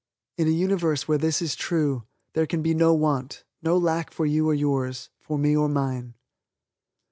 In a Universe where this is true, there can be no want, no lack for you or yours (for me or mine).